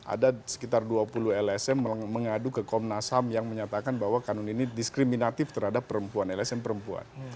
ada sekitar dua puluh lsm mengadu ke komnas ham yang menyatakan bahwa kanun ini diskriminatif terhadap perempuan lsm perempuan